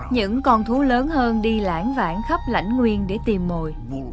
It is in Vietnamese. những con thú lớn hơn đi lãng vãn khắp lãnh nguyên để tìm mồi